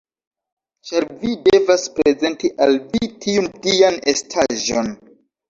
Ĉar vi devas prezenti al vi tiun dian estaĵon!